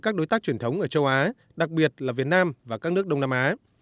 các đối tác truyền thống ở châu á đặc biệt là việt nam và các nước đông nam á